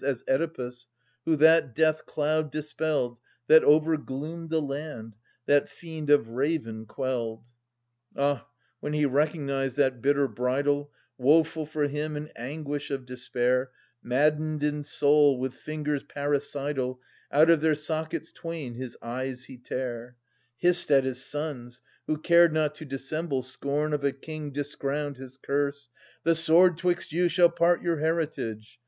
As Oedipus, who that death cloud dispelled That overgloomed the land, that fiend of ravin quelled ? {Str. 5) Ah, when he recognised that bitter bridal — Woeful for him, in anguish of despair, 780 Maddened in soul, with fingers parricidal Out of their sockets twain his eyes he tare, {Ant. 5.) Hissed at his sons, who cared not to dissemble Scorn of a king discrowned, his curse —* The sword 'Twixt you shall part your heritage